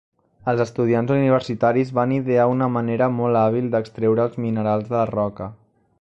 Els estudiants universitaris van idear una manera molt hàbil d'extreure els minerals de la roca.